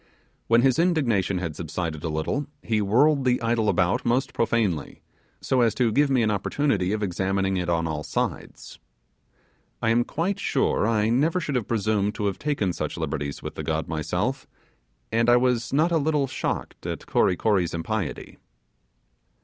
When his indignation had subsided a little he whirled the idol about most profanely, so as to give me an opportunity of examining it on all sides. I am quite sure I never should have presumed to have taken such liberties with the god myself, and I was not a little shocked at Kory Kory's impiety.